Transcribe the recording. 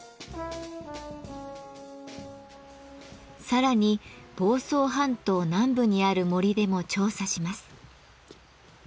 さらに房総半島南部にある森でも調査します。